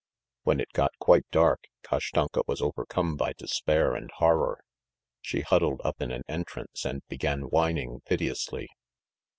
When it got quite dark, Kashtanka was overcome by despair and horror. She huddled up in an entrance and began whining piteously.